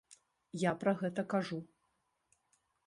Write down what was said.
Я пра гэта кажу.